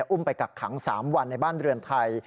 อุ้มไปกักขัง๓วันในบ้านเรือนไทย